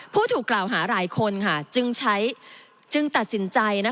ผู้ถูกกล่าวหาหลายคนจึงตัดสินใจ